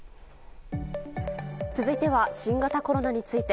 続いては新型コロナについて。